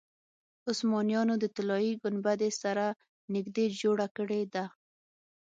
عثمانیانو د طلایي ګنبدې سره نږدې جوړه کړې ده.